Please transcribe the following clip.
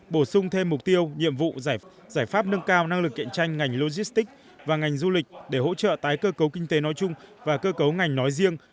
bổ sung thêm mục tiêu nhiệm vụ giải pháp nâng cao năng lực cạnh tranh ngành logistics và ngành du lịch để hỗ trợ tái cơ cấu kinh tế nói chung và cơ cấu ngành nói riêng